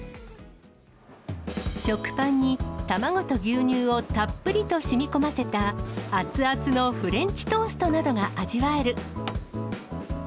食パンに卵と牛乳をたっぷりとしみこませた、熱々のフレンチトーストなどが味わえる。